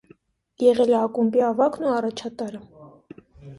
Եղել է ակումբի ավագն ու առաջատարը։